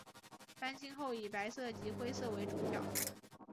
翻新后以白色及灰色为主调。